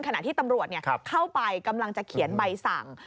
ขณะที่ตำรวจเข้าไปกำลังจะเขียนใบสั่ง